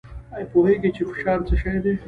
ایا پوهیږئ چې فشار څه دی؟